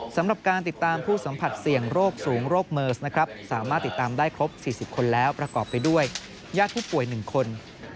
สำหรับการติดตามผู้สัมผัสเสี่ยงโรคสูงโรคเมิร์สนะครับสามารถติดตามได้ครบ๔๐คนแล้วประกอบไปด้วยญาติผู้ป่วย๑คน